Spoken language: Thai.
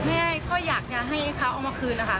ตอนนี้เท่ากันก็มีภาพหลักฐานจากกล้องวงจักร